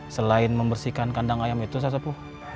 selain membersihkan kandang ayam itu sepuh